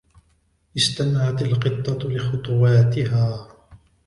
استمعت القطة لخطواتها.